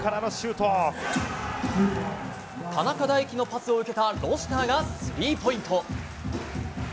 田中大貴のパスを受けたロシターがポイント。